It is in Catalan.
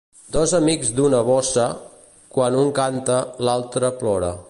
Dos amics d'una bossa, quan un canta l'altre plora.